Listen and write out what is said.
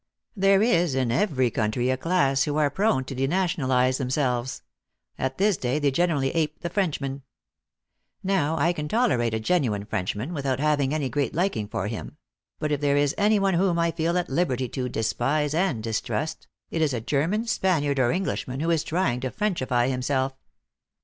There is in every coun try a class who are prone to denationalize themselves; at this day, they generally ape the Frenchman. Now, I can tolerate a genuine Frenchman, without having any great liking for him ; but if there is any one whom I feel at liberty to despise and distrust, it is a German, Spaniard or Englishman, who is trying to Frenchify himself.